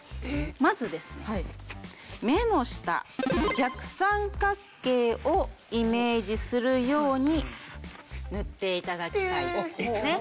まずですね目の下逆三角形をイメージするように塗って頂きたいんですね。